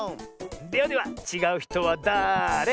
ではではちがうひとはだれ？